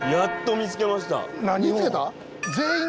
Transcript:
見つけた？